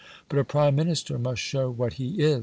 But a Prime Minister must show what he is.